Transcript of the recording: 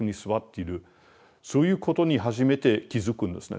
そういうことに初めて気付くんですね。